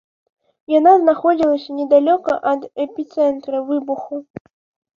Яна знаходзілася недалёка ад эпіцэнтра выбуху.